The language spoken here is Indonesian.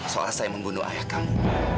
seolah saya membunuh ayah kamu